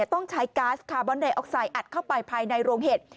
ต้องใช้ก๊าซคาร์บอนไดออกไซดอัดเข้าไปภายในโรงเห็ด